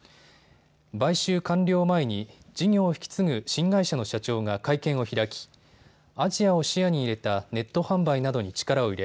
買収完了を前に事業を引き継ぐ新会社の社長が会見を開きアジアを視野に入れたネット販売などに力を入れ